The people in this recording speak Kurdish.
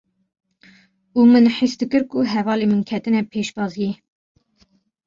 û min hîs dikir ku hevalên min ketine pêşbaziyê;